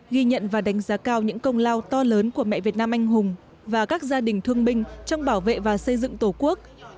ghi nhận và đánh giá cao những công lao to lớn của mẹ việt nam anh hùng và các gia đình thương binh trong bảo vệ và xây dựng tổ quốc